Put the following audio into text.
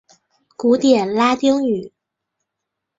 古典拉丁语。